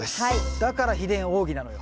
だから秘伝奥義なのよ。